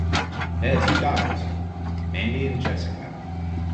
They had two daughters, Mandy and Jessica.